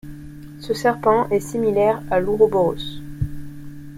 Ce serpent est similaire à l'Ouroboros.